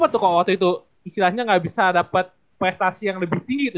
kenapa tuh kalau waktu itu istilahnya gak bisa dapat prestasi yang lebih tinggi gitu